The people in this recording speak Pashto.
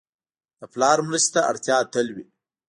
د پلار مرستې ته اړتیا تل وي.